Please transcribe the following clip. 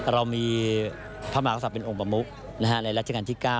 เรามีพระมหากษัตริย์เป็นองค์ประมุกในรัชกาลที่๙